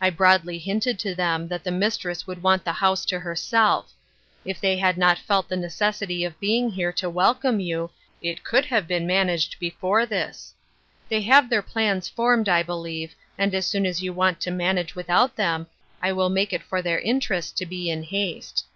I broadly hinted to them that the mistress would want the house to herself. If they had not felt the necessity of being here to welcorae you it could have been managed 308 Ruth Enkine's Crosset, before this. They have their plans formed, 1 believe, and as soon as jou want to manage without them, I will make it for their interest to be in haste."